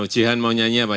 dian mau nyanyi apa